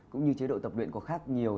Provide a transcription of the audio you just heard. cũng như chế độ tập luyện có khác nhiều